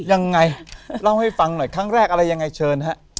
ยังไงเล่าให้ฟังหน่อยครั้งแรกอะไรยังไงเชิญฮะ